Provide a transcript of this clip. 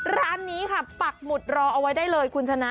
ร้านนี้ค่ะปักหมุดรอเอาไว้ได้เลยคุณชนะ